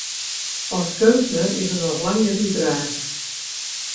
As keunstner is er noch lang net útraasd.